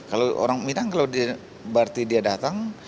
kalau orang minang kalau berarti dia datang